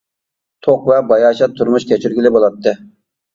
توق ۋە باياشات تۇرمۇش كەچۈرگىلى بولاتتى.